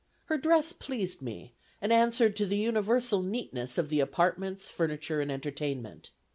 Her dress pleased me, and answered to the universal neatness of the apartments, furniture, and entertainment.